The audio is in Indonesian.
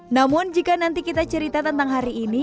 namun jika nanti kita cerita tentang hari ini